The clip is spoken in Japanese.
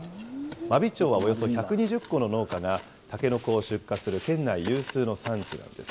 真備町はおよそ１２０戸の農家が、たけのこを出荷する県内有数の産地なんです。